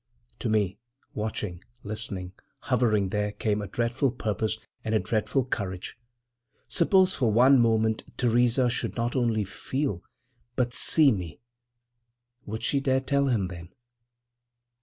To me, watching, listening, hovering, there came a dreadful purpose and a dreadful courage. Suppose for one moment, Theresa should not only feel, but see me—would she dare to tell him then?